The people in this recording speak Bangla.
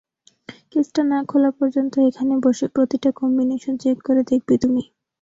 কেসটা না খোলা পর্যন্ত এখানে বসে প্রতিটা কম্বিনেশন চেক করে দেখবে তুমি।